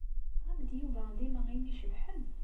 Yettaɣ-ak-d Yuba dima ayen icebḥen?